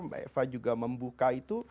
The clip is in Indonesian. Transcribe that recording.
mbak eva juga membuka itu